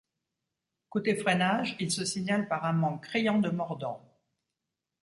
Côté freinage, il se signale par un manque criant de mordant.